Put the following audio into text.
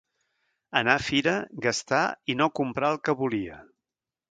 Anar a fira, gastar i no comprar el que volia.